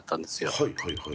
はいはいはい。